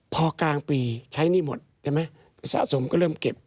พอกลางปีใช้นี่หมดสะสมก็เริ่มเก็บ